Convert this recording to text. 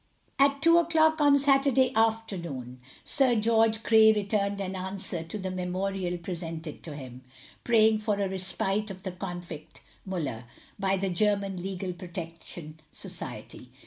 At two o'clock on Saturday afternoon Sir George Grey returned an answer to the memorial presented to him, praying for a respite of the convict Muller, by the German Legal Protection Society.